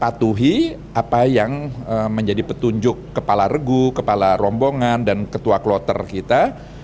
patuhi apa yang menjadi petunjuk kepala regu kepala rombongan dan ketua kloter kita